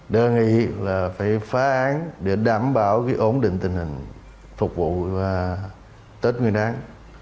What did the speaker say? đơn nghị là phải phá án để đảm bảo cái ổn định tình hình phục vụ tết nguyên đán